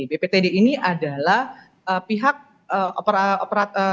bptd ini adalah pihak operator